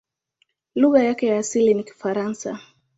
Lugha yake ya asili ni Kifaransa.